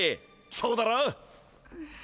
そうだろ？